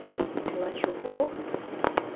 – Лачокок?